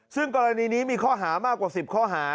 ซึ่งกรณีนี้มีข้อหามากกว่า๑๐ข้อหา